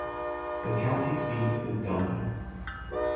The county seat is Delta.